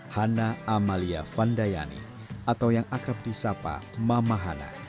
hana amalia vandayani atau yang akrab di sapa mama hana